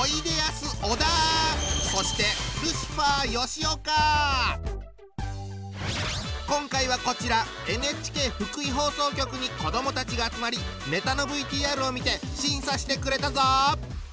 そして今回はこちらＮＨＫ福井放送局に子どもたちが集まりネタのＶＴＲを見て審査してくれたぞ！